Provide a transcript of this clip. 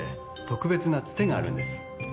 特別な伝手があるんです